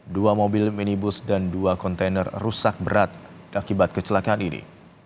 dua mobil minibus dan dua kontainer rusak berat akibat kecelakaan ini